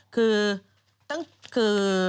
คือ